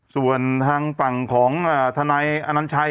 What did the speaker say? ส่วนทางต่างของทนายอาณาชัย